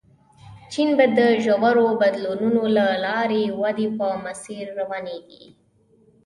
چین به د ژورو بدلونونو له لارې ودې په مسیر روانېږي.